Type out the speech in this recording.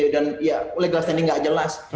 dan ya standing legal nggak jelas